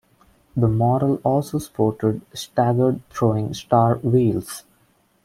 The model also sported staggered throwing star wheels.